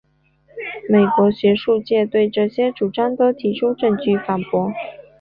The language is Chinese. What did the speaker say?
美国学术界对这些主张都提出证据反驳。